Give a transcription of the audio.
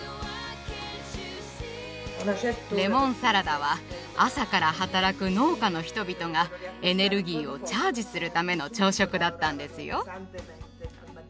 レモンサラダは朝から働く農家の人々がエネルギーをチャージするための朝食だったんですよ。